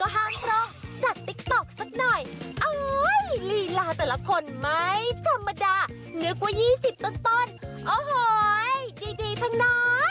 โอ้โฮยดีทั้งนั้น